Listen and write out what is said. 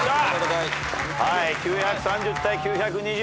９３０対９２０。